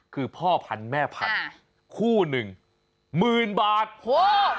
คือพ่อพันธุ์แม่พันธุ์คู่หนึ่ง๑๐๐๐๐บาทโห